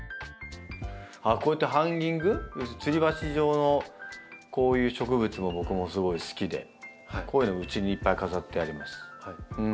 こうやってハンギング要するにつり鉢状のこういう植物も僕もすごい好きでこういうのうちにいっぱい飾ってあります。